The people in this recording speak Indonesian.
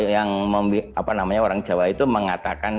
yang apa namanya orang jawa itu mengatakan